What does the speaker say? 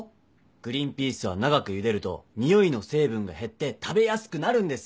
グリーンピースは長くゆでるとにおいの成分が減って食べやすくなるんですよ。